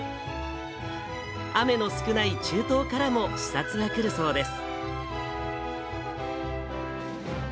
雨の少ない中東からも視察が来るそうです。